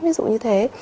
ví dụ như thế